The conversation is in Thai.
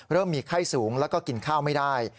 มีไข้สูงแล้วก็กินข้าวไม่ได้